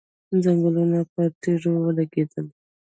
ځنګنونه یې پر تيږو ولګېدل.